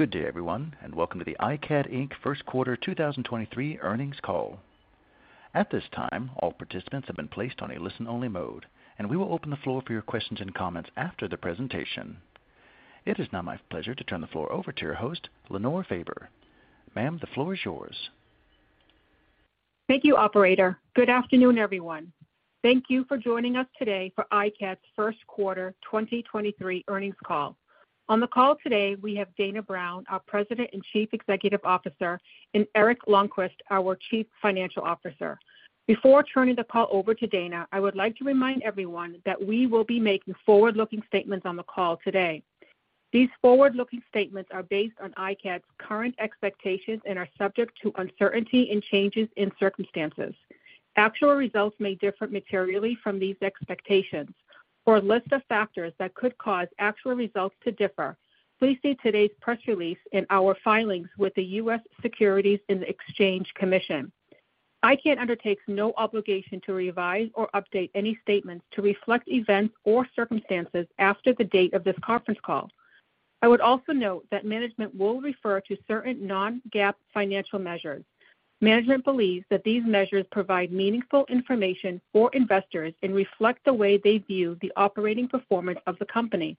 Good day, everyone, and welcome to the iCAD, Inc. First Quarter 2023 Earnings Call. At this time, all participants have been placed on a listen only mode, and we will open the floor for your questions and comments after the presentation. It is now my pleasure to turn the floor over to your host, Lenore Faber. Ma'am, the floor is yours. Thank you, operator. Good afternoon, everyone. Thank you for joining us today for iCAD's first quarter 2023 earnings call. On the call today, we have Dana Brown, our President and Chief Executive Officer, and Eric Lonnqvist, our Chief Financial Officer. Before turning the call over to Dana, I would like to remind everyone that we will be making forward-looking statements on the call today. These forward-looking statements are based on iCAD's current expectations and are subject to uncertainty and changes in circumstances. Actual results may differ materially from these expectations. For a list of factors that could cause actual results to differ, please see today's press release in our filings with the U.S. Securities and Exchange Commission. iCAD undertakes no obligation to revise or update any statements to reflect events or circumstances after the date of this conference call. I would also note that management will refer to certain non-GAAP financial measures. Management believes that these measures provide meaningful information for investors and reflect the way they view the operating performance of the company.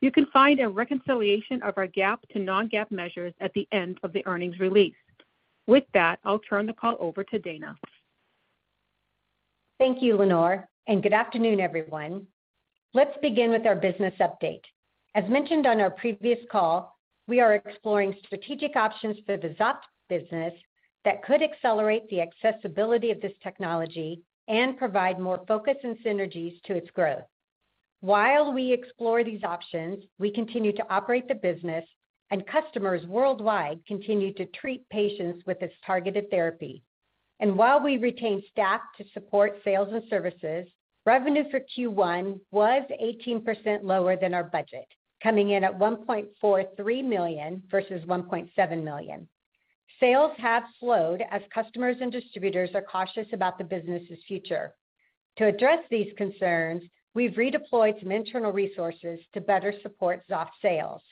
You can find a reconciliation of our GAAP to non-GAAP measures at the end of the earnings release. With that, I'll turn the call over to Dana. Thank you, Lenore. Good afternoon, everyone. Let's begin with our business update. As mentioned on our previous call, we are exploring strategic options for the Xoft business that could accelerate the accessibility of this technology and provide more focus and synergies to its growth. While we explore these options, we continue to operate the business and customers worldwide continue to treat patients with this targeted therapy. While we retain staff to support sales and services, revenue for Q1 was 18% lower than our budget, coming in at $1.43 million versus $1.7 million. Sales have slowed as customers and distributors are cautious about the business's future. To address these concerns, we've redeployed some internal resources to better support Xoft sales.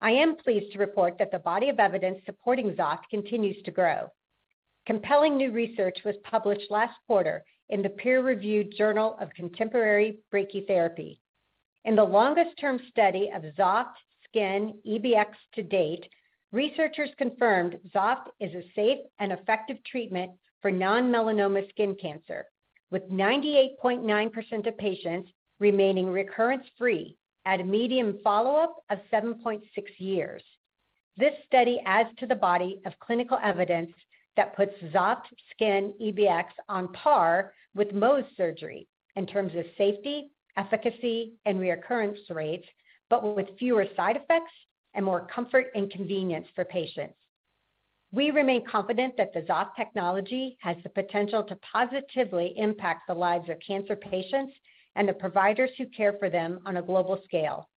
I am pleased to report that the body of evidence supporting Xoft continues to grow. Compelling new research was published last quarter in the peer-reviewed Journal of Contemporary Brachytherapy. In the longest-term study of Xoft Skin eBx to date, researchers confirmed Xoft is a safe and effective treatment for non-melanoma skin cancer, with 98.9% of patients remaining recurrence-free at a median follow-up of 7.6 years. This study adds to the body of clinical evidence that puts Xoft Skin eBx on par with Mohs surgery in terms of safety, efficacy, and reoccurrence rates, but with fewer side effects and more comfort and convenience for patients. We remain confident that the Xoft technology has the potential to positively impact the lives of cancer patients and the providers who care for them on a global scale.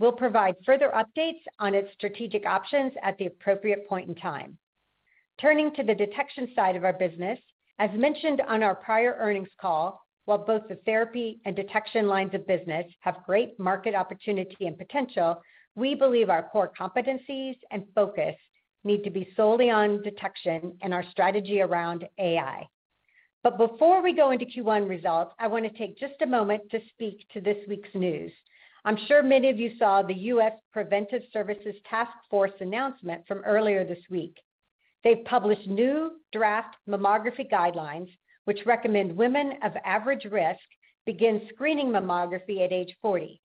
We'll provide further updates on its strategic options at the appropriate point in time. Turning to the detection side of our business, as mentioned on our prior earnings call, while both the therapy and detection lines of business have great market opportunity and potential, we believe our core competencies and focus need to be solely on detection and our strategy around AI. Before we go into Q1 results, I want to take just a moment to speak to this week's news. I'm sure many of you saw the U.S. Preventive Services Task Force announcement from earlier this week. They've published new draft mammography guidelines, which recommend women of average risk begin screening mammography at age 40.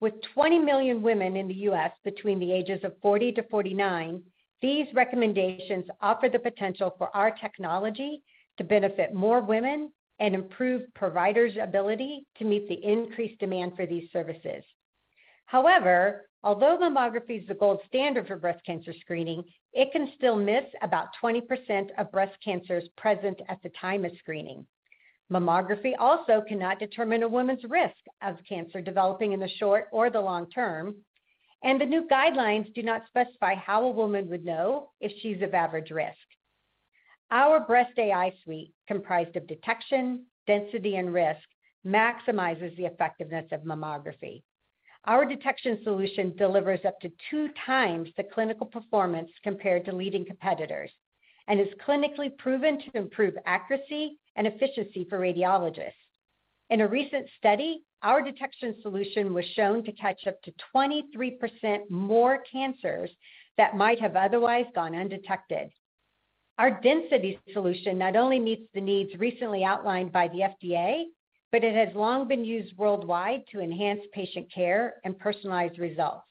With 20 million women in the U.S. between the ages of 40 to 49, these recommendations offer the potential for our technology to benefit more women and improve providers' ability to meet the increased demand for these services. Although mammography is the gold standard for breast cancer screening, it can still miss about 20% of breast cancers present at the time of screening. Mammography also cannot determine a woman's risk of cancer developing in the short or the long term, and the new guidelines do not specify how a woman would know if she's of average risk. Our Breast AI Suite, comprised of detection, density, and risk, maximizes the effectiveness of mammography. Our detection solution delivers up to two times the clinical performance compared to leading competitors and is clinically proven to improve accuracy and efficiency for radiologists. In a recent study, our detection solution was shown to catch up to 23% more cancers that might have otherwise gone undetected. Our density solution not only meets the needs recently outlined by the FDA, but it has long been used worldwide to enhance patient care and personalized results.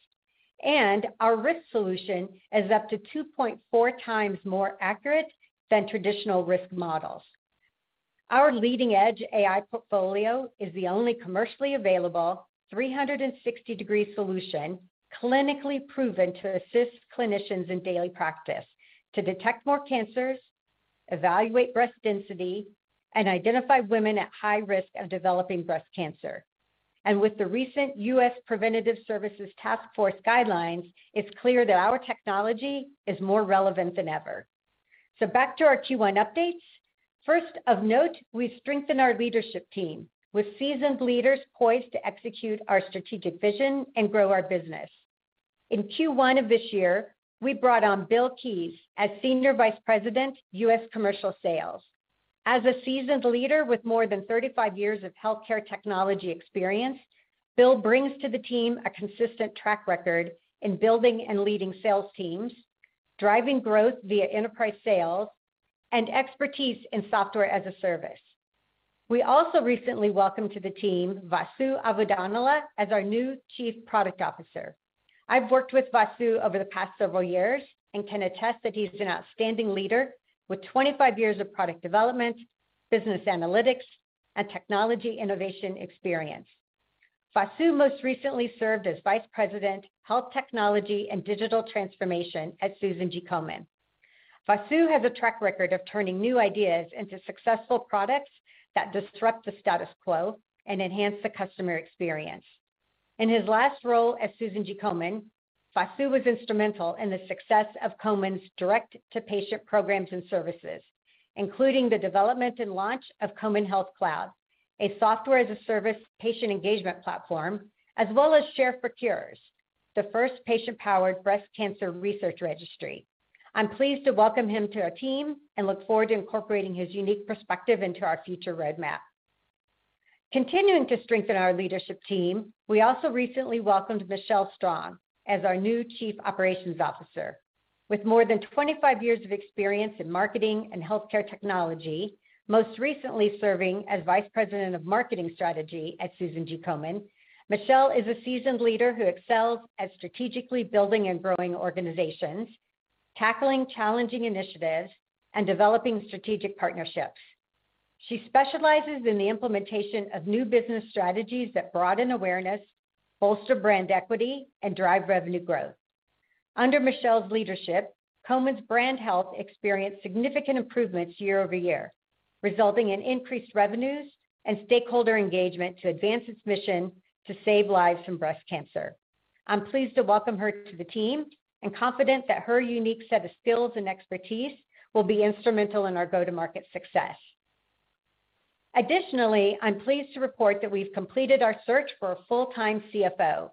Our risk solution is up to 2.4x more accurate than traditional risk models. Our leading-edge AI portfolio is the only commercially available 360-degree solution, clinically proven to assist clinicians in daily practice to detect more cancers, evaluate breast density, and identify women at high risk of developing breast cancer. With the recent U.S. Preventive Services Task Force guidelines, it's clear that our technology is more relevant than ever. Back to our Q1 updates. First, of note, we strengthened our leadership team with seasoned leaders poised to execute our strategic vision and grow our business. In Q1 of this year, we brought on Bill Keyes as Senior Vice President, U.S. Commercial Sales. As a seasoned leader with more than 35 years of healthcare technology experience, Bill brings to the team a consistent track record in building and leading sales teams, driving growth via enterprise sales, and expertise in software-as-a-service. We also recently welcomed to the team Vasu Avadhanula as our new Chief Product Officer. I've worked with Vasu over the past several years and can attest that he's an outstanding leader with 25 years of product development, business analytics, and technology innovation experience. Vasu most recently served as Vice President, Health Technology and Digital Transformation at Susan G. Komen. Vasu has a track record of turning new ideas into successful products that disrupt the status quo and enhance the customer experience. In his last role at Susan G. Komen, Vasu was instrumental in the success of Komen's direct-to-patient programs and services, including the development and launch of Komen Health Cloud, a software-as-a-service patient engagement platform, as well as ShareForCures, the first patient-powered breast cancer research registry. I'm pleased to welcome him to our team and look forward to incorporating his unique perspective into our future roadmap. Continuing to strengthen our leadership team, we also recently welcomed Michelle Strong as our new Chief Operations Officer. With more than 25 years of experience in marketing and healthcare technology, most recently serving as Vice President of Marketing Strategy at Susan G. Komen, Michelle is a seasoned leader who excels at strategically building and growing organizations, tackling challenging initiatives, and developing strategic partnerships. She specializes in the implementation of new business strategies that broaden awareness, bolster brand equity, and drive revenue growth. Under Michelle's leadership, Komen's brand health experienced significant improvements year-over-year, resulting in increased revenues and stakeholder engagement to advance its mission to save lives from breast cancer. I'm pleased to welcome her to the team and confident that her unique set of skills and expertise will be instrumental in our go-to-market success. I'm pleased to report that we've completed our search for a full-time CFO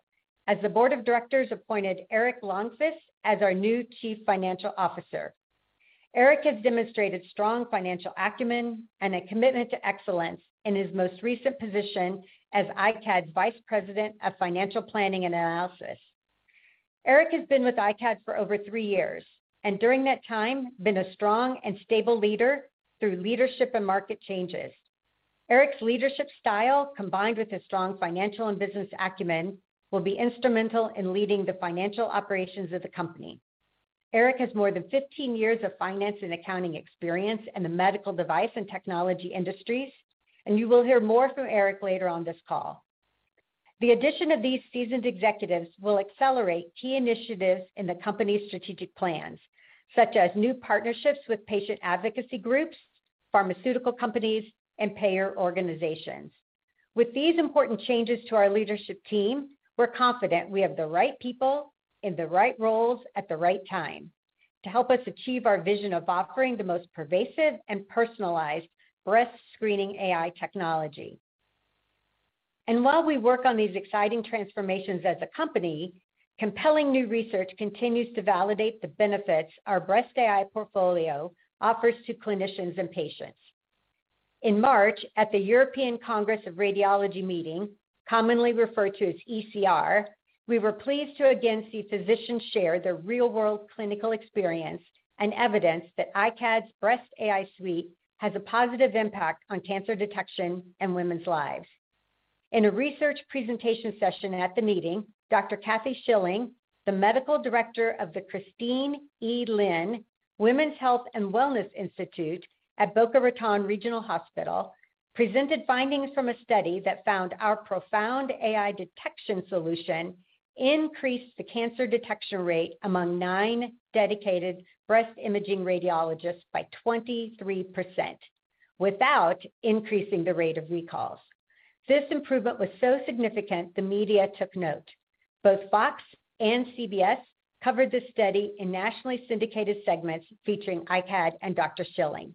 as the board of directors appointed Eric Lonnqvist as our new Chief Financial Officer. Eric has demonstrated strong financial acumen and a commitment to excellence in his most recent position as iCAD's Vice President of Financial Planning and Analysis. Eric has been with iCAD for over three years, and during that time been a strong and stable leader through leadership and market changes. Eric's leadership style, combined with his strong financial and business acumen, will be instrumental in leading the financial operations of the company. Eric has more than 15 years of finance and accounting experience in the medical device and technology industries, and you will hear more from Eric later on this call. The addition of these seasoned executives will accelerate key initiatives in the company's strategic plans, such as new partnerships with patient advocacy groups, pharmaceutical companies, and payer organizations. With these important changes to our leadership team, we're confident we have the right people in the right roles at the right time to help us achieve our vision of offering the most pervasive and personalized breast screening AI technology. While we work on these exciting transformations as a company, compelling new research continues to validate the benefits our breast AI portfolio offers to clinicians and patients. In March, at the European Congress of Radiology meeting, commonly referred to as ECR, we were pleased to again see physicians share their real-world clinical experience and evidence that iCAD's Breast AI Suite has a positive impact on cancer detection and women's lives. In a research presentation session at the meeting, Dr. Kathy Schilling, the Medical Director of the Christine E. Lynn Women's Health & Wellness Institute at Boca Raton Regional Hospital, presented findings from a study that found our ProFound AI Detection solution increased the cancer detection rate among nine dedicated breast imaging radiologists by 23% without increasing the rate of recalls. This improvement was so significant the media took note. Both Fox and CBS covered the study in nationally syndicated segments featuring iCAD and Dr. Schilling.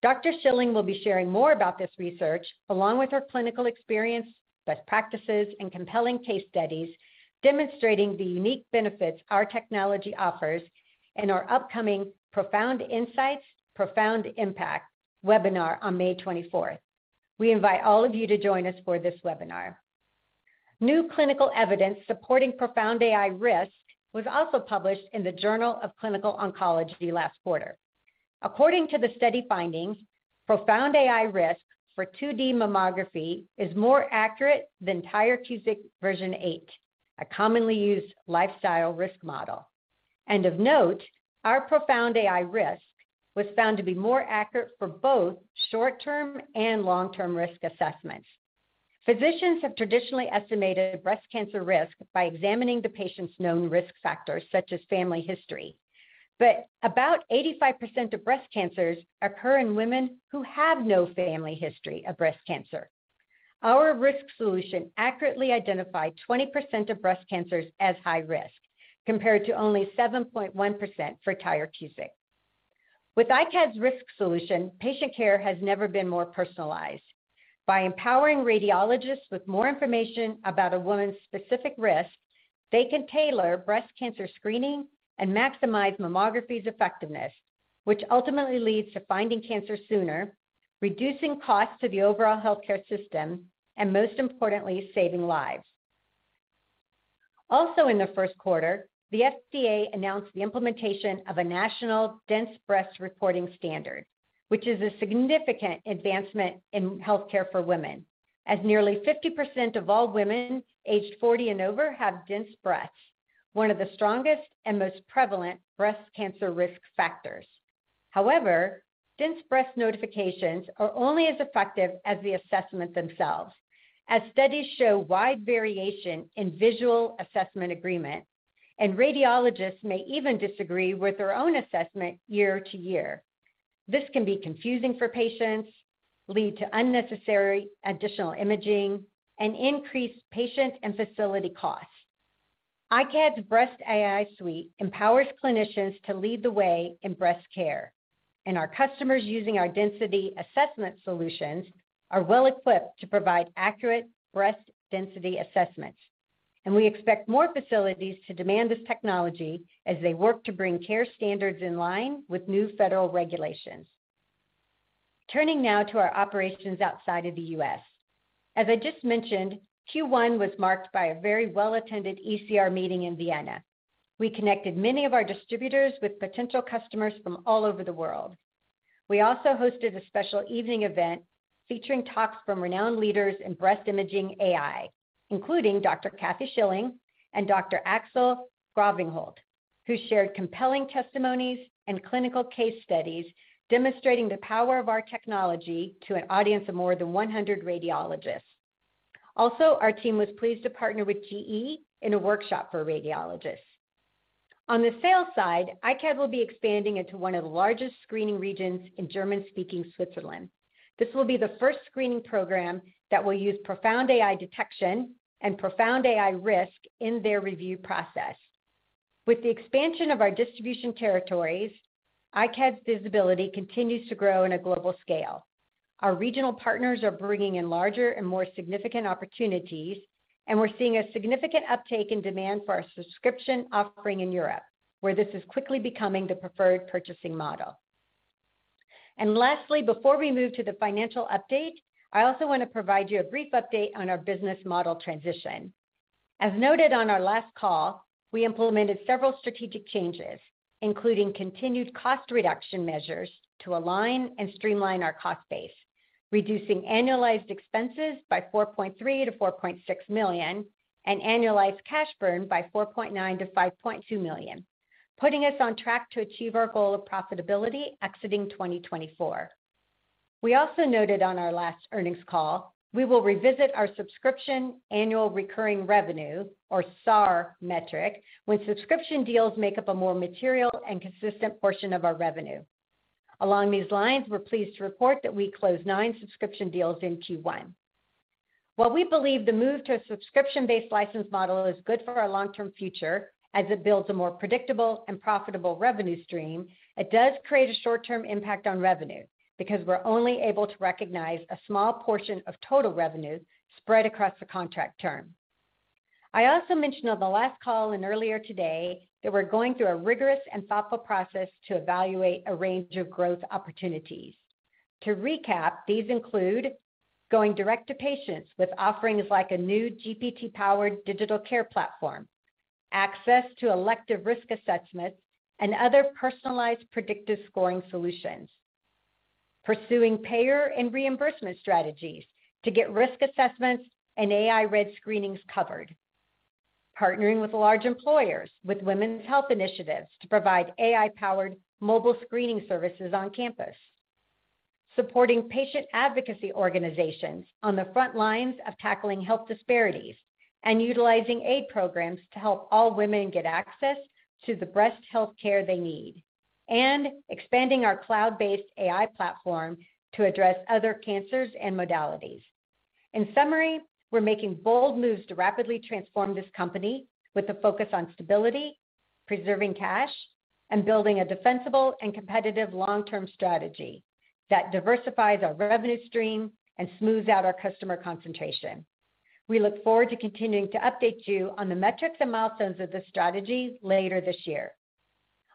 Dr. Schilling will be sharing more about this research, along with her clinical experience, best practices, and compelling case studies demonstrating the unique benefits our technology offers in our upcoming ProFound Insights, ProFound Impact webinar on May 24th. We invite all of you to join us for this webinar. New clinical evidence supporting ProFound AI Risk was also published in the Journal of Clinical Oncology last quarter. According to the study findings, ProFound AI Risk for 2D mammography is more accurate than Tyrer-Cuzick version 8, a commonly used lifestyle risk model. Of note, our ProFound AI Risk was found to be more accurate for both short-term and long-term risk assessments. Physicians have traditionally estimated breast cancer risk by examining the patient's known risk factors, such as family history. About 85% of breast cancers occur in women who have no family history of breast cancer. Our risk solution accurately identified 20% of breast cancers as high risk, compared to only 7.1% for Tyrer-Cuzick. With iCAD's risk solution, patient care has never been more personalized. By empowering radiologists with more information about a woman's specific risk, they can tailor breast cancer screening and maximize mammography's effectiveness, which ultimately leads to finding cancer sooner, reducing costs to the overall healthcare system, and most importantly, saving lives. Also in the first quarter, the FDA announced the implementation of a national dense breast reporting standard, which is a significant advancement in healthcare for women, as nearly 50% of all women aged 40 and over have dense breasts, one of the strongest and most prevalent breast cancer risk factors. Dense breast notifications are only as effective as the assessments themselves, as studies show wide variation in visual assessment agreement, and radiologists may even disagree with their own assessment year to year. This can be confusing for patients, lead to unnecessary additional imaging, and increase patient and facility costs. iCAD's Breast AI Suite empowers clinicians to lead the way in breast care, and our customers using our density assessment solutions are well-equipped to provide accurate breast density assessments, and we expect more facilities to demand this technology as they work to bring care standards in line with new federal regulations. Turning now to our operations outside of the U.S. As I just mentioned, Q1 was marked by a very well-attended ECR meeting in Vienna. We connected many of our distributors with potential customers from all over the world. We also hosted a special evening event featuring talks from renowned leaders in breast imaging AI, including Dr. Kathy Schilling and Dr. Axel Gräwingholt, who shared compelling testimonies and clinical case studies demonstrating the power of our technology to an audience of more than 100 radiologists. Our team was pleased to partner with GE in a workshop for radiologists. On the sales side, iCAD will be expanding into one of the largest screening regions in German-speaking Switzerland. This will be the first screening program that will use ProFound AI Detection and ProFound AI Risk in their review process. With the expansion of our distribution territories, iCAD's visibility continues to grow on a global scale. Our regional partners are bringing in larger and more significant opportunities, and we're seeing a significant uptake in demand for our subscription offering in Europe, where this is quickly becoming the preferred purchasing model. Lastly, before we move to the financial update, I also want to provide you a brief update on our business model transition. As noted on our last call, we implemented several strategic changes, including continued cost reduction measures to align and streamline our cost base, reducing annualized expenses by $4.3 million to $4.6 million, and annualized cash burn by $4.9 million to $5.2 million, putting us on track to achieve our goal of profitability exiting 2024. We also noted on our last earnings call, we will revisit our subscription annual recurring revenue, or SAR metric, when subscription deals make up a more material and consistent portion of our revenue. Along these lines, we're pleased to report that we closed nine subscription deals in Q1. While we believe the move to a subscription-based license model is good for our long-term future as it builds a more predictable and profitable revenue stream, it does create a short-term impact on revenue because we're only able to recognize a small portion of total revenue spread across the contract term. I also mentioned on the last call and earlier today that we're going through a rigorous and thoughtful process to evaluate a range of growth opportunities. To recap, these include going direct to patients with offerings like a new GPT-powered digital care platform, access to elective risk assessments, and other personalized predictive scoring solutions. Pursuing payer and reimbursement strategies to get risk assessments and AI read screenings covered. Partnering with large employers with women's health initiatives to provide AI-powered mobile screening services on campus. Supporting patient advocacy organizations on the front lines of tackling health disparities and utilizing aid programs to help all women get access to the breast health care they need. Expanding our cloud-based AI platform to address other cancers and modalities. In summary, we're making bold moves to rapidly transform this company with a focus on stability, preserving cash, and building a defensible and competitive long-term strategy that diversifies our revenue stream and smooths out our customer concentration. We look forward to continuing to update you on the metrics and milestones of this strategy later this year.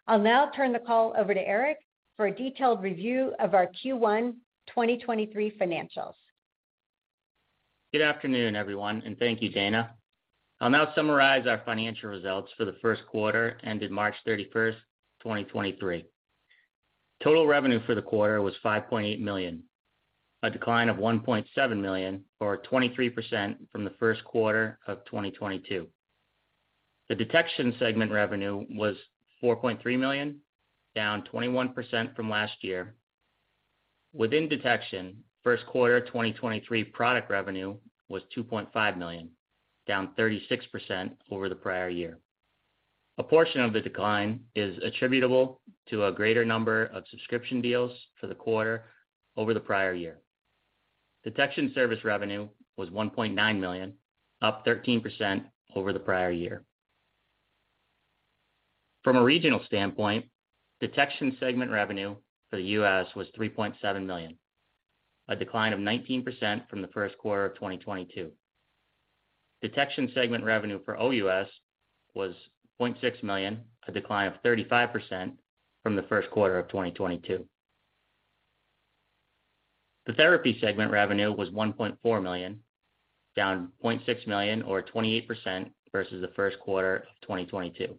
I'll now turn the call over to Eric for a detailed review of our Q1 2023 financials. Good afternoon, everyone. Thank you, Dana. I'll now summarize our financial results for the first quarter ended March 31st, 2023. Total revenue for the quarter was $5.8 million, a decline of $1.7 million or 23% from the first quarter of 2022. The detection segment revenue was $4.3 million, down 21% from last year. Within detection, first quarter of 2023 product revenue was $2.5 million, down 36% over the prior year. A portion of the decline is attributable to a greater number of subscription deals for the quarter over the prior year. Detection service revenue was $1.9 million, up 13% over the prior year. From a regional standpoint, detection segment revenue for the US was $3.7 million, a decline of 19% from the first quarter of 2022. Detection segment revenue for OUS was $0.6 million, a decline of 35% from the first quarter of 2022. The therapy segment revenue was $1.4 million, down $0.6 million or 28% versus the first quarter of 2022.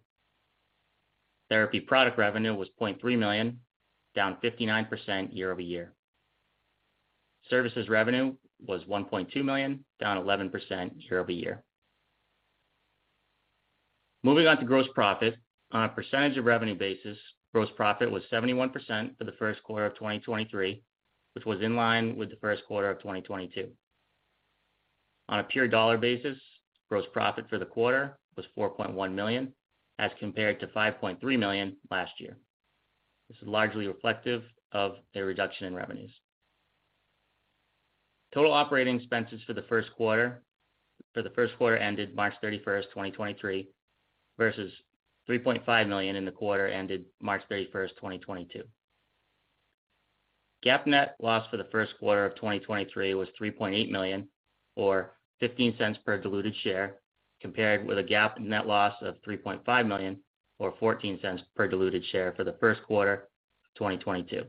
Therapy product revenue was $0.3 million, down 59% year-over-year. Services revenue was $1.2 million, down 11% year-over-year. Moving on to gross profit. On a percentage of revenue basis, gross profit was 71% for the first quarter of 2023, which was in line with the first quarter of 2022. On a pure dollar basis, gross profit for the quarter was $4.1 million, as compared to $5.3 million last year. This is largely reflective of a reduction in revenues. Total operating expenses for the first quarter ended March 31st, 2023, versus $3.5 million in the quarter ended March 31st, 2022. GAAP net loss for the first quarter of 2023 was $3.8 million, or $0.15 per diluted share, compared with a GAAP net loss of $3.5 million or $0.14 per diluted share for the first quarter of 2022.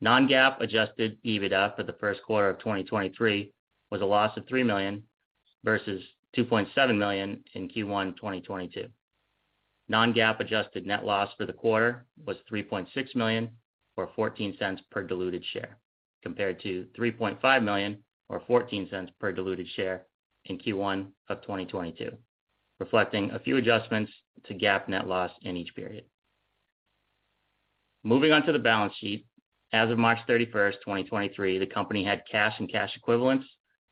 Non-GAAP adjusted EBITDA for the first quarter of 2023 was a loss of $3 million versus $2.7 million in Q1 2022. Non-GAAP adjusted net loss for the quarter was $3.6 million or $0.14 per diluted share, compared to $3.5 million or $0.14 per diluted share in Q1 of 2022, reflecting a few adjustments to GAAP net loss in each period. Moving on to the balance sheet. As of March 31st, 2023, the company had cash and cash equivalents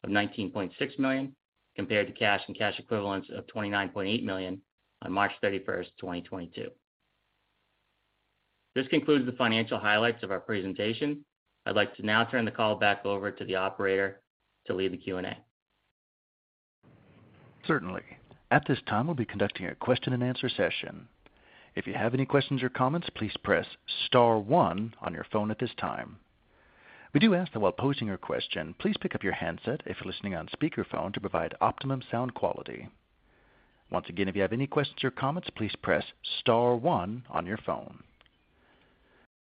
of $19.6 million, compared to cash and cash equivalents of $29.8 million on March 31st, 2022. This concludes the financial highlights of our presentation. I'd like to now turn the call back over to the operator to lead the Q&A. Certainly. At this time, we'll be conducting a question and answer session. If you have any questions or comments, please press star one on your phone at this time. We do ask that while posing your question, please pick up your handset if you're listening on speakerphone to provide optimum sound quality. Once again, if you have any questions or comments, please press star one on your phone.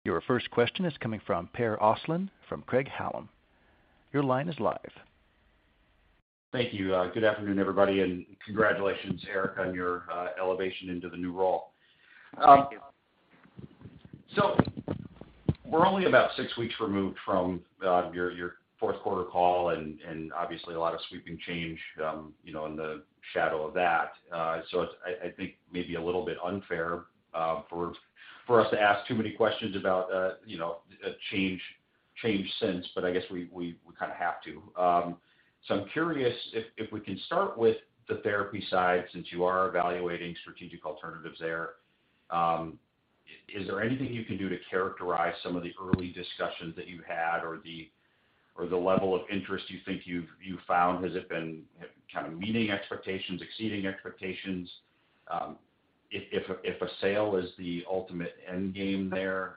Your first question is coming from Per Ostlund from Craig-Hallum. Your line is live. Thank you. Good afternoon everybody and congratulations, Eric, on your elevation into the new role. Thank you. We're only about six weeks removed from your fourth quarter call and obviously a lot of sweeping change, you know, in the shadow of that. It's, I think maybe a little bit unfair for us to ask too many questions about, you know, change since, but I guess we kinda have to. I'm curious if we can start with the therapy side, since you are evaluating strategic alternatives there, is there anything you can do to characterize some of the early discussions that you've had or the level of interest you think you've found? Has it been kind of meeting expectations, exceeding expectations? If a sale is the ultimate end game there,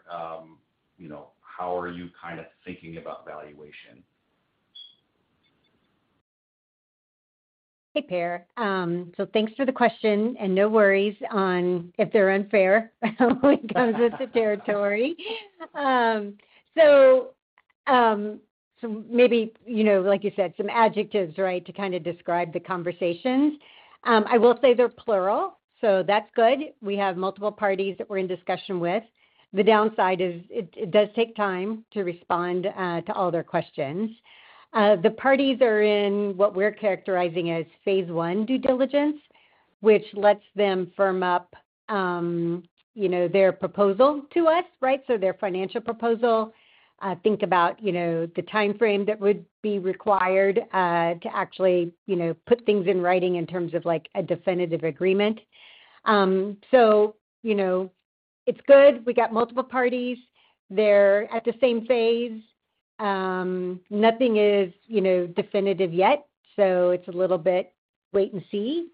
you know, how are you kinda thinking about valuation? Hey, Per. Thanks for the question and no worries on if they're unfair. It comes with the territory. Maybe, you know, like you said, some adjectives, right? To kinda describe the conversations. I will say they're plural, so that's good. We have multiple parties that we're in discussion with. The downside is it does take time to respond, to all their questions. The parties are in what we're characterizing as phase one due diligence, which lets them firm up, you know, their proposal to us, right? Their financial proposal, think about, you know, the timeframe that would be required, to actually, you know, put things in writing in terms of, like, a definitive agreement. You know, it's good. We got multiple parties. They're at the same phase. Nothing is, you know, definitive yet, so it's a little bit wait and see.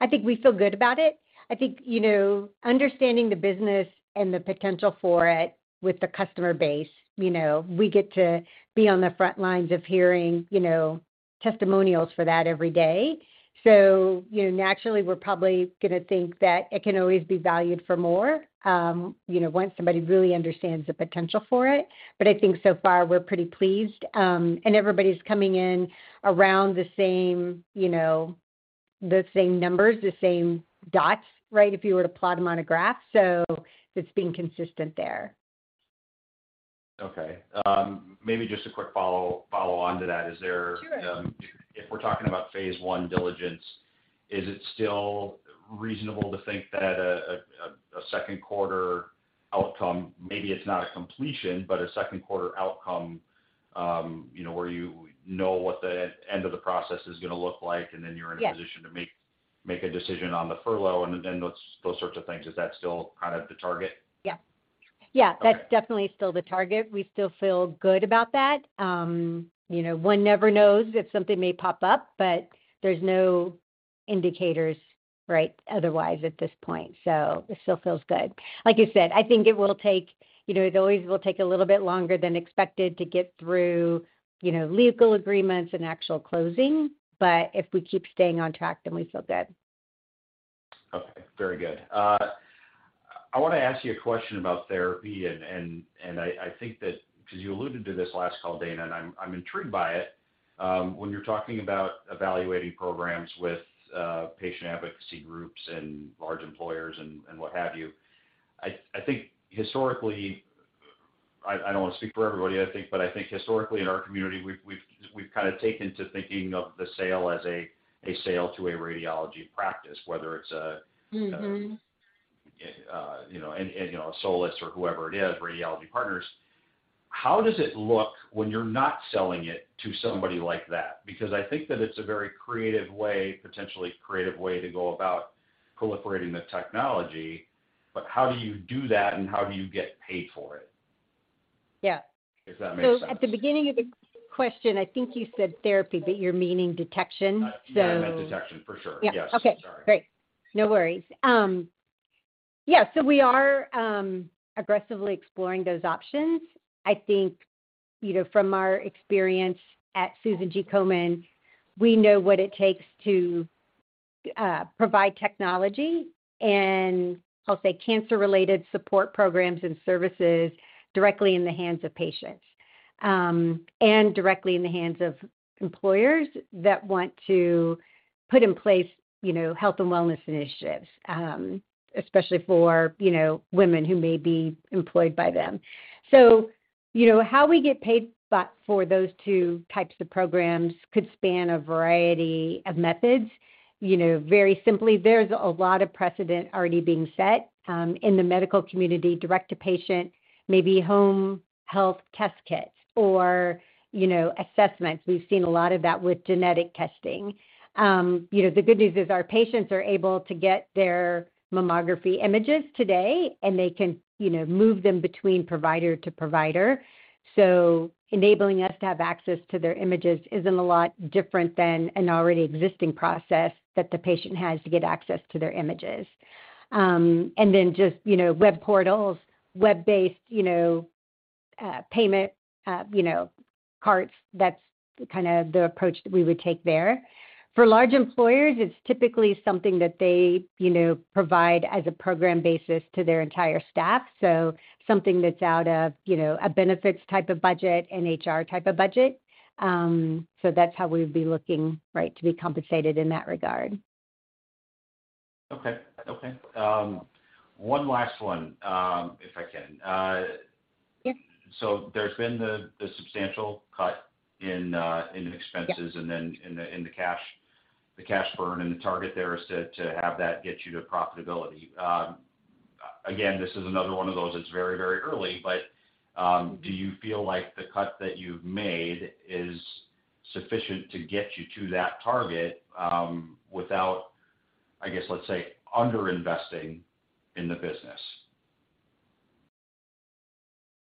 I think we feel good about it. I think, you know, understanding the business and the potential for it with the customer base, you know, we get to be on the front lines of hearing, you know, testimonials for that every day. Naturally, we're probably gonna think that it can always be valued for more, you know, once somebody really understands the potential for it. I think so far we're pretty pleased, and everybody's coming in around the same, you know, the same numbers, the same dots, right? If you were to plot them on a graph. It's being consistent there. Okay. maybe just a quick follow-on to that. Is there- Sure. If we're talking about phase 1 diligence, is it still reasonable to think that a second quarter outcome, maybe it's not a completion, but a second quarter outcome, you know, where you know what the end of the process is gonna look like, and then you're in- Yeah -a position to make a decision on the furlough and those sorts of things. Is that still kind of the target? Yeah. Yeah. Okay. That's definitely still the target. We still feel good about that. You know, one never knows if something may pop up, but there's no indicators, right, otherwise at this point, so it still feels good. Like you said, I think it will take, you know, it always will take a little bit longer than expected to get through, you know, legal agreements and actual closing. If we keep staying on track, then we feel good. Okay. Very good. I want to ask you a question about therapy and, and I think that, 'cause you alluded to this last call, Dana, and I'm intrigued by it. When you're talking about evaluating programs with patient advocacy groups and large employers and what have you, I think historically, I don't want to speak for everybody, I think, but I think historically in our community, we've kind of taken to thinking of the sale as a sale to a radiology practice, whether it's a Mm-hmm. You know, and, you know, Solis or whoever it is, Radiology Partners. How does it look when you're not selling it to somebody like that? I think that it's a very creative way to go about proliferating the technology. How do you do that, and how do you get paid for it? Yeah. If that makes sense. At the beginning of the question, I think you said therapy, but you're meaning detection. Yeah, I meant detection for sure. Yes. Yeah. Okay. Sorry. Great. No worries. Yeah, so we are aggressively exploring those options. I think, you know, from our experience at Susan G. Komen, we know what it takes to provide technology and I'll say cancer-related support programs and services directly in the hands of patients and directly in the hands of employers that want to put in place, you know, health and wellness initiatives, especially for, you know, women who may be employed by them. You know, how we get paid for those two types of programs could span a variety of methods. You know, very simply, there's a lot of precedent already being set in the medical community, direct to patient, maybe home health test kits or, you know, assessments. We've seen a lot of that with genetic testing. you know, the good news is our patients are able to get their mammography images today, and they can, you know, move them between provider to provider. Enabling us to have access to their images isn't a lot different than an already existing process that the patient has to get access to their images. just, you know, web portals, web-based, you know, payment, you know, carts, that's kind of the approach that we would take there. For large employers, it's typically something that they, you know, provide as a program basis to their entire staff, so something that's out of, you know, a benefits type of budget, an HR type of budget. That's how we would be looking, right, to be compensated in that regard. Okay. Okay. One last one, if I can. Yeah. There's been the substantial cut in expenses. Yeah In the cash, the cash burn, and the target there is to have that get you to profitability. Again, this is another one of those that's very, very early. Do you feel like the cut that you've made is sufficient to get you to that target, without, I guess let's say, under-investing in the business?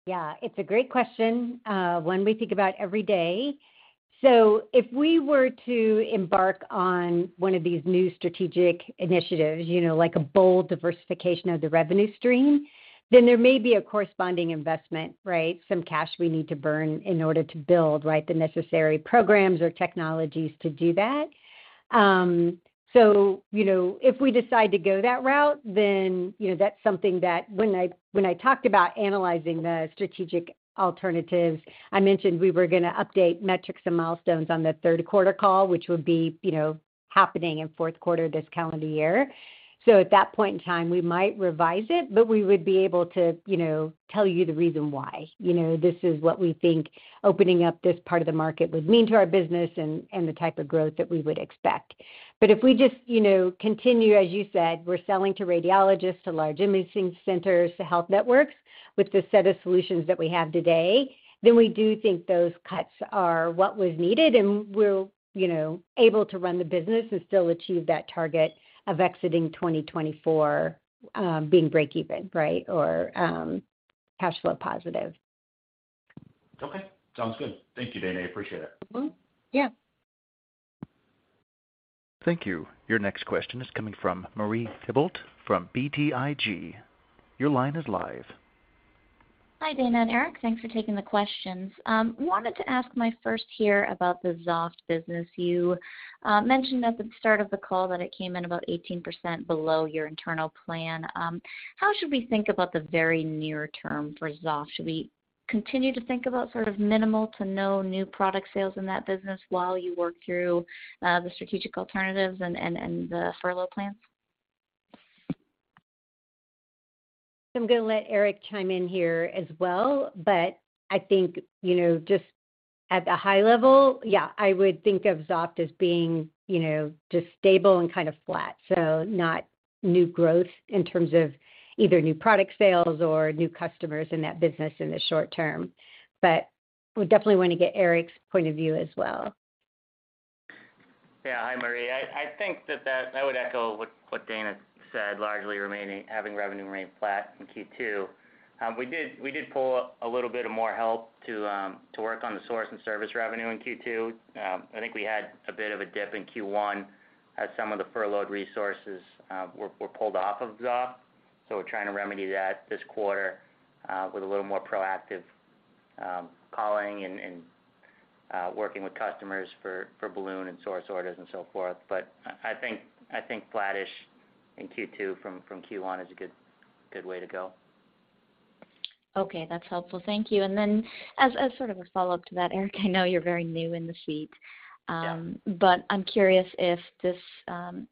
Yeah. It's a great question, one we think about every day. If we were to embark on one of these new strategic initiatives, you know, like a bold diversification of the revenue stream, then there may be a corresponding investment, right? Some cash we need to burn in order to build, right, the necessary programs or technologies to do that. You know, if we decide to go that route, then, you know, that's something that when I talked about analyzing the strategic alternatives, I mentioned we were gonna update metrics and milestones on the third quarter call, which would be, you know, happening in fourth quarter this calendar year. At that point in time, we might revise it, but we would be able to, you know, tell you the reason why. You know, this is what we think opening up this part of the market would mean to our business and the type of growth that we would expect. If we just, you know, continue, as you said, we're selling to radiologists, to large imaging centers, to health networks with the set of solutions that we have today, then we do think those cuts are what was needed, and we're, you know, able to run the business and still achieve that target of exiting 2024, being break even, right, or cash flow positive. Okay. Sounds good. Thank you, Dana. I appreciate it. Mm-hmm. Yeah. Thank you. Your next question is coming from Marie Thibault from BTIG. Your line is live. Hi, Dana and Eric. Thanks for taking the questions. Wanted to ask my first here about the Xoft business. You mentioned at the start of the call that it came in about 18% below your internal plan. How should we think about the very near term for Xoft? Should we continue to think about sort of minimal to no new product sales in that business while you work through the strategic alternatives and the furlough plans? I'm gonna let Eric chime in here as well, but I think, you know, At the high level, yeah, I would think of Xoft as being, you know, just stable and kind of flat. Not new growth in terms of either new product sales or new customers in that business in the short term. We definitely want to get Eric's point of view as well. Yeah. Hi, Marie. I think that I would echo what Dana said, largely remaining, having revenue remain flat in Q2. We did pull a little bit of more help to work on the source and service revenue in Q2. I think we had a bit of a dip in Q1 as some of the furloughed resources were pulled off of Xoft. We're trying to remedy that this quarter with a little more proactive calling and working with customers for balloon and source orders and so forth. I think flattish in Q2 from Q1 is a good way to go. Okay. That's helpful. Thank you. Then as sort of a follow-up to that, Eric, I know you're very new in the seat. Yeah. I'm curious if this,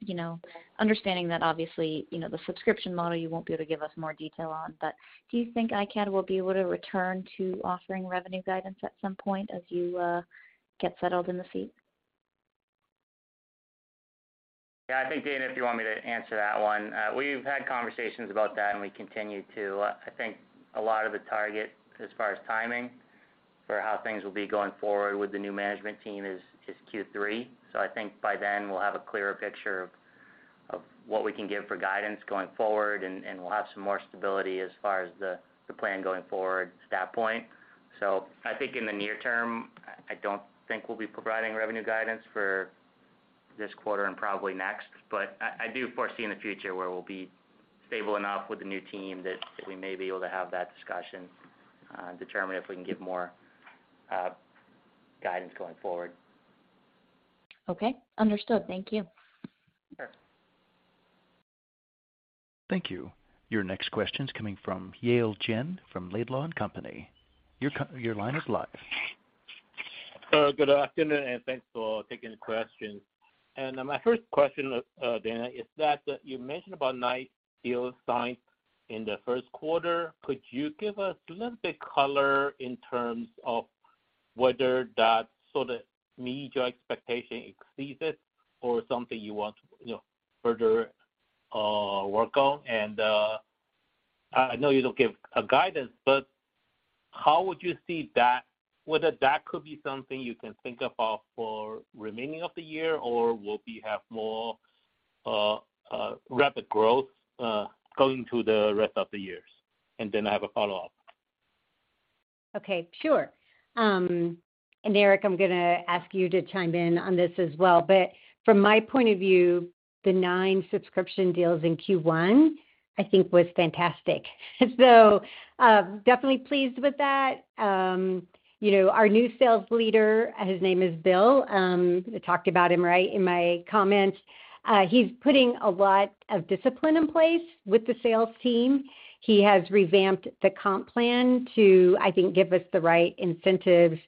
you know, understanding that obviously, you know, the subscription model, you won't be able to give us more detail on, but do you think iCAD will be able to return to offering revenue guidance at some point as you get settled in the seat? Yeah. I think, Dana, if you want me to answer that one. We've had conversations about that and we continue to. I think a lot of the target as far as timing for how things will be going forward with the new management team is Q3. I think by then we'll have a clearer picture of what we can give for guidance going forward, and we'll have some more stability as far as the plan going forward at that point. I think in the near term, I don't think we'll be providing revenue guidance for this quarter and probably next, I do foresee in the future where we'll be stable enough with the new team that we may be able to have that discussion, determine if we can give more guidance going forward. Okay. Understood. Thank you. Sure. Thank you. Your next question's coming from Yale Jen from Laidlaw & Company. Your line is live. Good afternoon, and thanks for taking the questions. My first question, Dana, is that you mentioned about nine deals signed in the first quarter. Could you give us a little bit color in terms of whether that sort of meet your expectation, exceeds it, or something you want, you know, further work on? I know you don't give a guidance, but how would you see that, whether that could be something you can think about for remaining of the year, or will we have more rapid growth going to the rest of the years? Then I have a follow-up. Okay. Sure. Eric, I'm gonna ask you to chime in on this as well. From my point of view, the nine subscription deals in Q1, I think was fantastic. Definitely pleased with that. You know, our new sales leader, his name is Bill, I talked about him right in my comments. He's putting a lot of discipline in place with the sales team. He has revamped the comp plan to, I think, give us the right incentives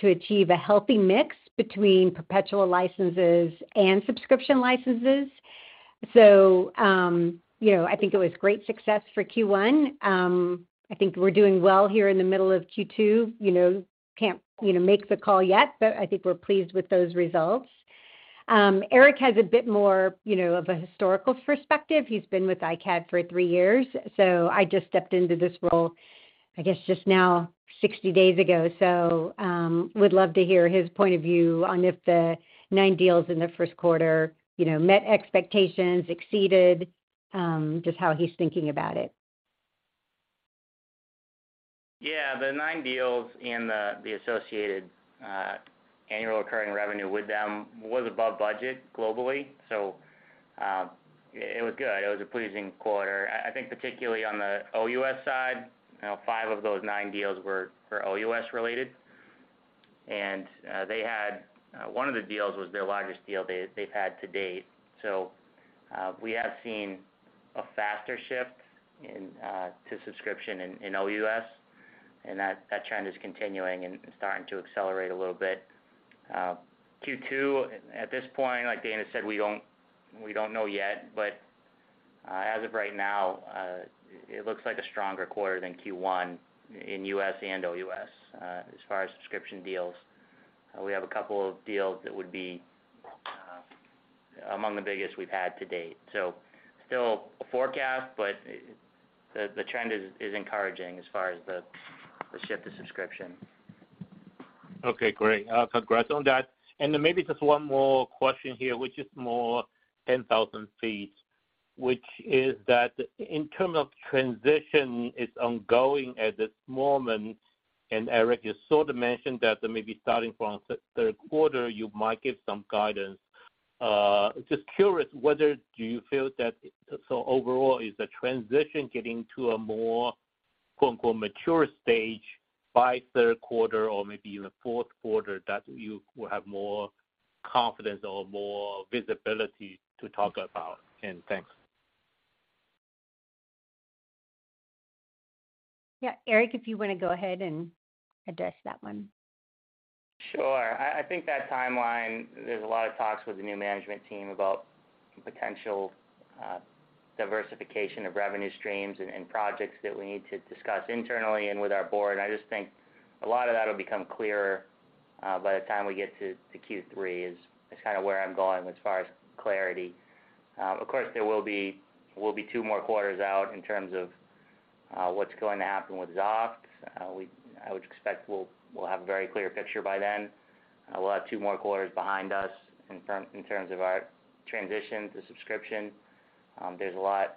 to achieve a healthy mix between perpetual licenses and subscription licenses. You know, I think it was great success for Q1. I think we're doing well here in the middle of Q2. You know, can't, you know, make the call yet, but I think we're pleased with those results. Eric has a bit more, you know, of a historical perspective. He's been with iCAD for three years. I just stepped into this role, I guess, just now, 60 days ago. Would love to hear his point of view on if the nine deals in the first quarter, you know, met expectations, exceeded, just how he's thinking about it. The nine deals and the associated annual recurring revenue with them was above budget globally. It was good. It was a pleasing quarter. I think particularly on the OUS side, you kno`w, five of those nine deals were for OUS related. They had one of the deals was their largest deal they've had to date. We have seen a faster shift in to subscription in OUS, and that trend is continuing and starting to accelerate a little bit. Q2, at this point, like Dana said, we don't, we don't know yet, but as of right now, it looks like a stronger quarter than Q1 in US and OUS, as far as subscription deals. We have a couple of deals that would be among the biggest we've had to date. Still a forecast, but the trend is encouraging as far as the shift to subscription. Okay, great. congrats on that. Maybe just one more question here, which is more 10,000 ft., which is that in term of transition is ongoing at this moment, and Eric, you sort of mentioned that maybe starting from third quarter, you might give some guidance. just curious whether do you feel that overall, is the transition getting to a more, quote-unquote, mature stage by third quarter or maybe in the fourth quarter that you will have more confidence or more visibility to talk about? Thanks. Yeah. Eric, if you wanna go ahead and address that one. Sure. I think that timeline, there's a lot of talks with the new management team about potential diversification of revenue streams and projects that we need to discuss internally and with our board. I just think a lot of that will become clearer by the time we get to Q3 is kinda where I'm going as far as clarity. Of course, there will be two more quarters out in terms of what's going to happen with Xoft. I would expect we'll have a very clear picture by then. We'll have two more quarters behind us in terms of our transition to subscription. There's a lot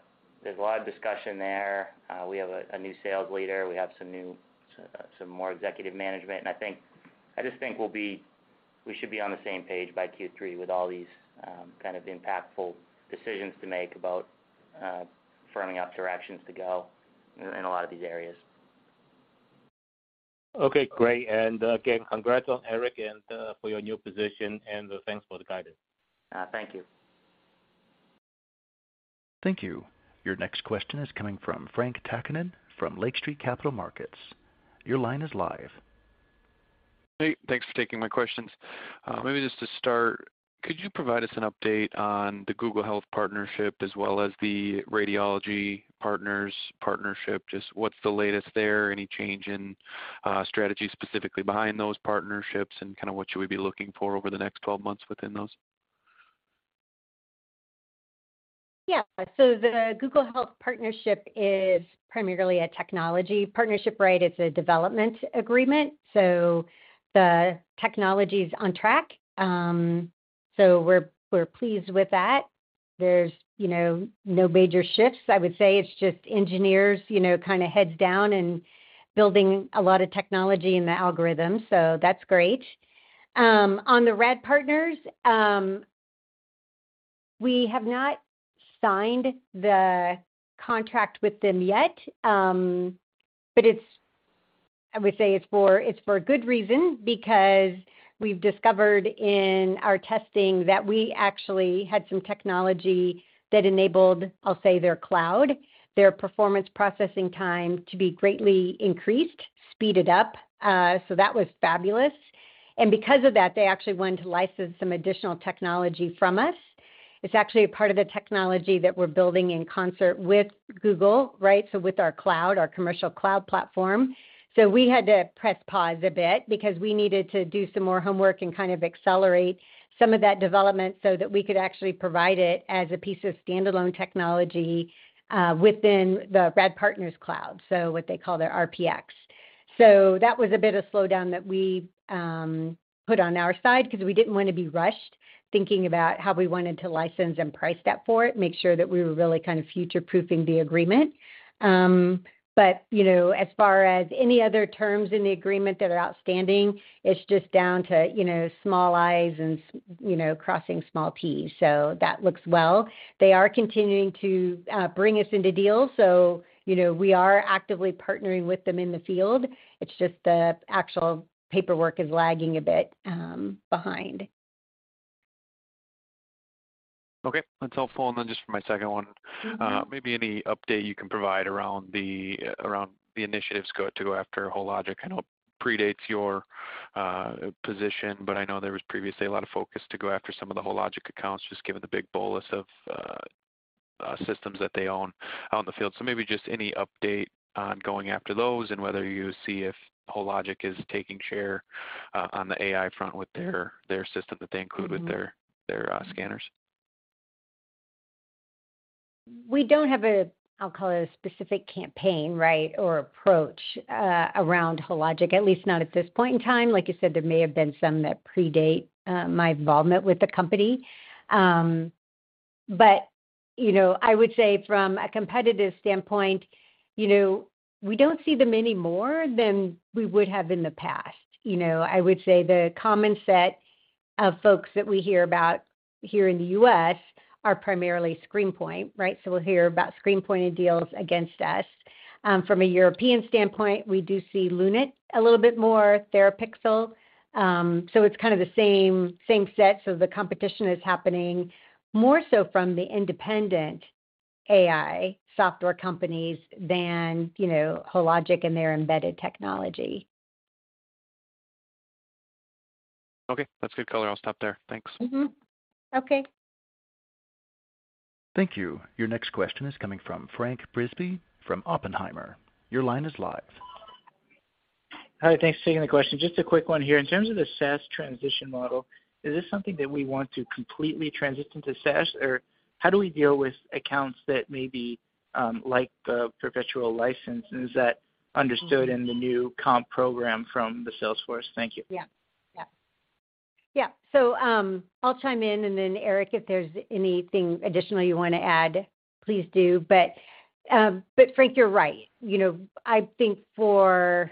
of discussion there. We have a new sales leader. We have some more executive management and I think. I just think we should be on the same page by Q3 with all these, kind of impactful decisions to make about firming up directions to go in a lot of these areas. Okay, great. Again, congrats on Eric and, for your new position, and, thanks for the guidance. Thank you. Thank you. Your next question is coming from Frank Takkinen from Lake Street Capital Markets. Your line is live. Hey, thanks for taking my questions. Maybe just to start, could you provide us an update on the Google Health partnership as well as the Radiology Partners partnership? Just what's the latest there? Any change in strategy specifically behind those partnerships and kinda what should we be looking for over the next 12 months within those? Yeah. The Google Health partnership is primarily a technology partnership, right? It's a development agreement, so the technology's on track. We're, we're pleased with that. There's, you know, no major shifts. I would say it's just engineers, you know, kinda heads down and building a lot of technology in the algorithm. That's great. On the Radiology Partners, we have not signed the contract with them yet, but I would say it's for, it's for good reason because we've discovered in our testing that we actually had some technology that enabled, I'll say, their cloud, their performance processing time to be greatly increased, speeded up. That was fabulous. Because of that, they actually want to license some additional technology from us. It's actually a part of the technology that we're building in concert with Google, right? With our cloud, our commercial cloud platform. We had to press pause a bit because we needed to do some more homework and kind of accelerate some of that development so that we could actually provide it as a piece of standalone technology within the Radiology Partners cloud, what they call their RPX. That was a bit of slowdown that we put on our side 'cause we didn't wanna be rushed thinking about how we wanted to license and price that for it, make sure that we were really kind of future-proofing the agreement. You know, as far as any other terms in the agreement that are outstanding, it's just down to, you know, small i's and crossing small p's. That looks well. They are continuing to bring us into deals, so, you know, we are actively partnering with them in the field. It's just the actual paperwork is lagging a bit behind. Okay. That's helpful. Just for my second one. Mm-hmm. Maybe any update you can provide around the initiatives to go after Hologic. I know it predates your position, but I know there was previously a lot of focus to go after some of the Hologic accounts, just given the big bolus of systems that they own out in the field. Maybe just any update on going after those and whether you see if Hologic is taking share on the AI front with their system that they include- Mm-hmm. With their scanners. We don't have a, I'll call it a specific campaign, right, or approach, around Hologic, at least not at this point in time. Like you said, there may have been some that predate, my involvement with the company. You know, I would say from a competitive standpoint, you know, we don't see them any more than we would have in the past, you know. I would say the common set of folks that we hear about here in the U.S. are primarily ScreenPoint, right? We'll hear about ScreenPoint in deals against us. From a European standpoint, we do see Lunit a little bit more, Therapixel. It's kind of the same set. The competition is happening more so from the independent AI software companies than, you know, Hologic and their embedded technology. Okay. That's good color. I'll stop there. Thanks. Mm-hmm. Okay. Thank you. Your next question is coming from François Brisebois from Oppenheimer & Co. Inc.. Your line is live. Hi, thanks for taking the question. Just a quick one here. In terms of the SaaS transition model, is this something that we want to completely transition to SaaS, or how do we deal with accounts that may be, like the perpetual licenses? Mm-hmm. Understood in the new comp program from the sales force? Thank you. Yeah. Yeah. Yeah. I'll chime in, and then Eric, if there's anything additional you wanna add, please do. But Frank, you're right. You know, I think for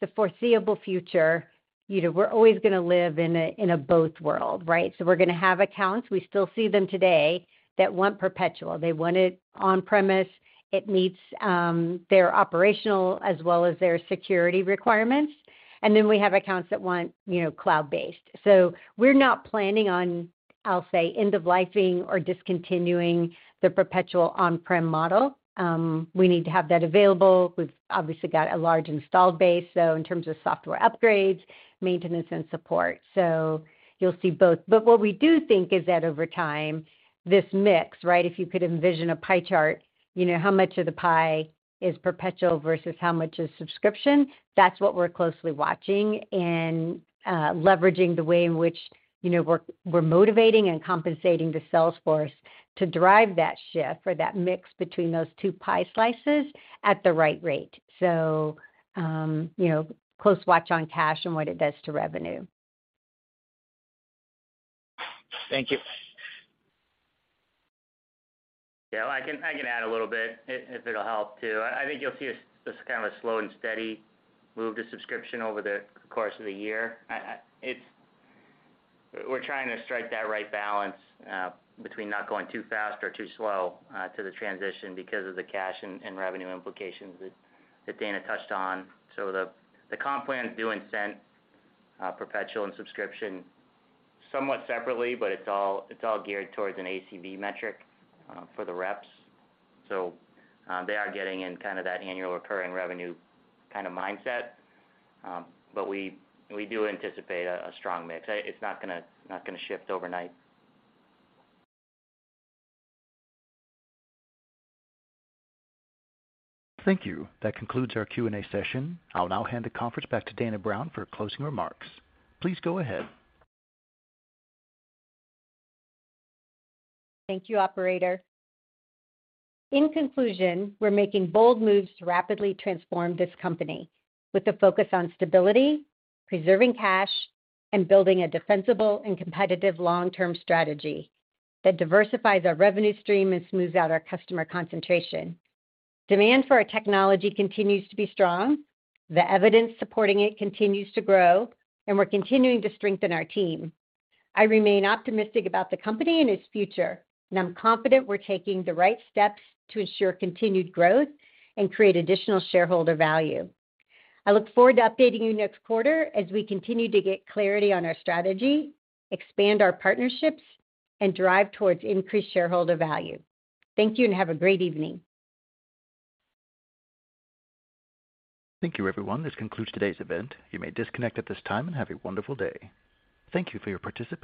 the foreseeable future, you know, we're always gonna live in a both world, right? We're gonna have accounts, we still see them today, that want perpetual. They want it on-premise. It meets their operational as well as their security requirements. Then we have accounts that want, you know, cloud-based. We're not planning on, I'll say, end-of-lifing or discontinuing the perpetual on-prem model. We need to have that available. We've obviously got a large installed base, so in terms of software upgrades, maintenance, and support. You'll see both. What we do think is that over time, this mix, right, if you could envision a pie chart, you know, how much of the pie is perpetual versus how much is subscription, that's what we're closely watching and leveraging the way in which, you know, we're motivating and compensating the sales force to drive that shift or that mix between those two pie slices at the right rate. You know, close watch on cash and what it does to revenue. Thank you. Yeah, I can add a little bit if it'll help too. I think you'll see this kind of a slow and steady move to subscription over the course of the year. We're trying to strike that right balance between not going too fast or too slow to the transition because of the cash and revenue implications that Dana touched on. The comp plan is doing sent perpetual and subscription somewhat separately, but it's all geared towards an ACV metric for the reps. They are getting in kind of that annual occurring revenue kind of mindset. But we do anticipate a strong mix. It's not gonna shift overnight. Thank you. That concludes our Q&A session. I'll now hand the conference back to Dana Brown for closing remarks. Please go ahead. Thank you, operator. In conclusion, we're making bold moves to rapidly transform this company with a focus on stability, preserving cash, and building a defensible and competitive long-term strategy that diversifies our revenue stream and smooths out our customer concentration. Demand for our technology continues to be strong, the evidence supporting it continues to grow, and we're continuing to strengthen our team. I remain optimistic about the company and its future, and I'm confident we're taking the right steps to ensure continued growth and create additional shareholder value. I look forward to updating you next quarter as we continue to get clarity on our strategy, expand our partnerships, and drive towards increased shareholder value. Thank you, and have a great evening. Thank you, everyone. This concludes today's event. You may disconnect at this time, and have a wonderful day. Thank you for your participation.